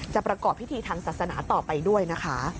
ประกอบพิธีทางศาสนาต่อไปด้วยนะคะ